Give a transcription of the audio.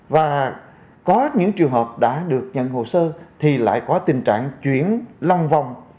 và có những trường hợp đã được nhận hồ sơ thì lại có tình trạng chuyển long vòng